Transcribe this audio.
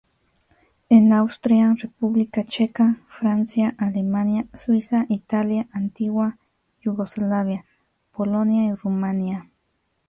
En Austria, República Checa, Francia, Alemania, Suiza, Italia, antigua Yugoslavia, Polonia y Rumanía.